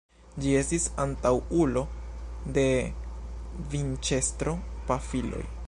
Ĝi estis antaŭulo de la vinĉestro-pafiloj.